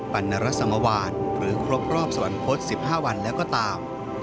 รณรสมวานหรือครบรอบสวรรคต๑๕วันแล้วก็ตาม